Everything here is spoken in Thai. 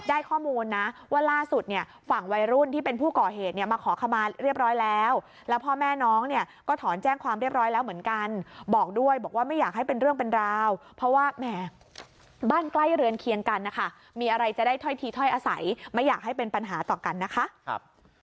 ได้ข้อมูลนะว่าล่าสุดเนี่ยฝั่งวัยรุ่นที่เป็นผู้ก่อเหตุเนี่ยมาขอขมาเรียบร้อยแล้วแล้วพ่อแม่น้องเนี่ยก็ถอนแจ้งความเรียบร้อยแล้วเหมือนกันบอกด้วยบอกว่าไม่อยากให้เป็นเรื่องเป็นราวเพราะว่าแหมบ้านใกล้เรือนเคียงกันนะคะมีอะไรจะได้ถ้อยทีถ้อยอาศัยไม่อยากให้เป็นปัญหาต่อกันนะคะ